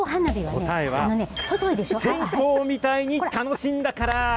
答えは線香みたいに楽しんだから！